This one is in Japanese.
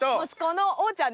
おうちゃん。